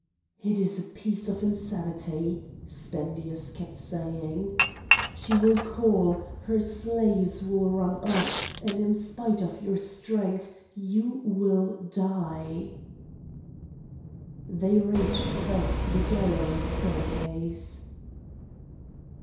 "It is a piece of insanity!" Spendius kept saying. "She will call, her slaves will run up, and in spite of your strength you will die!" They reached thus the galley staircase.